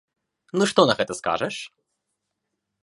Ну што на гэта скажаш?